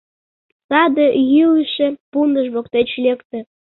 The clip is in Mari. Саде йӱлышӧ пундыш воктеч лекте!»